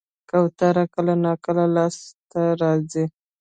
کوتره کله ناکله لاس ته راځي.